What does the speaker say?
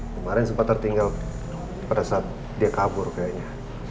kemarin sempat tertinggal pada saat dia kabur kayaknya